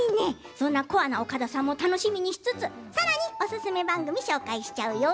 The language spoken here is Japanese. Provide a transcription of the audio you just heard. そんなコアな岡田さんも楽しみにしつつ、さらにおすすめ番組を紹介しちゃうよ。